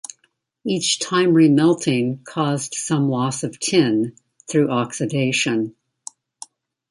Each time remelting caused some loss of Tin, through oxidation.